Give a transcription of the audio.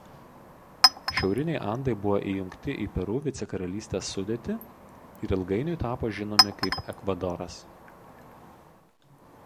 Šiauriniai Andai buvo įjungti į Peru vicekaralystės sudėtį ir ilgainiui tapo žinomi kaip Ekvadoras.